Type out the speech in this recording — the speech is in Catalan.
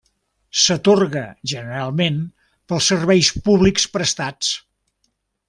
S'atorga generalment pels serveis públics prestats.